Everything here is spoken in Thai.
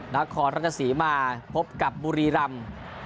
นักคอร์รัฐสีมาพบกับบุรีรำ